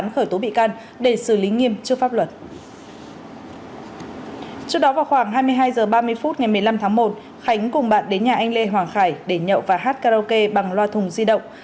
khánh cùng bạn đến nhà anh lê hoàng khải để nhậu và hát karaoke bằng loa thùng di động